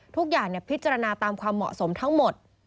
ทุกอย่างพิจารณาตามความเหมาะสมทั้งหมด